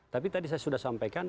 tapi tadi saya sudah sampaikan